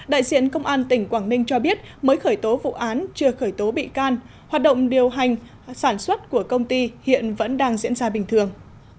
đại diện công an tỉnh quảng ninh cho biết mới khởi tố vụ án chưa khởi tố bị can hoạt động điều hành sản xuất của công ty hiện vẫn đang diễn ra bình thường